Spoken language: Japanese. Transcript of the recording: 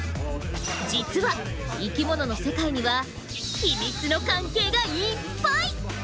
実は生きものの世界にはヒミツの関係がいっぱい！